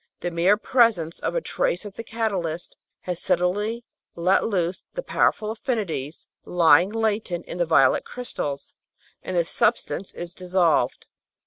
The mere presence of a trace of the catalyst has suddenly let loose the powerful affinities lying latent in the violet crystals, and the substance is dissolved.